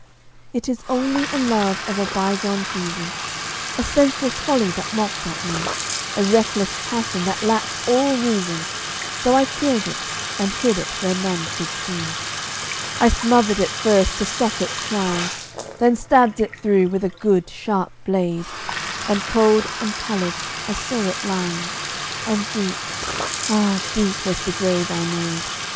It is only a love of a by gone season, A senseless folly that mocked at me A reckless passion that lacked all reason, So I killed it, and hid it where none could see. I smothered it first to stop its crying, Then stabbed it through with a good sharp blade, And cold and pallid I saw it lying, And deep ah' deep was the grave I made.